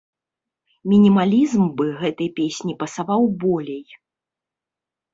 Мінімалізм бы гэтай песні пасаваў болей.